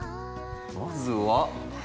まずは。